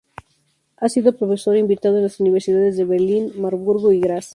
Ha sido profesor invitado en las universidades de Berlín, Marburgo y Graz.